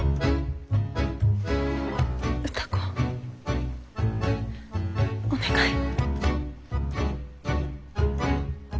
歌子お願い。